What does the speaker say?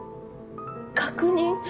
確認？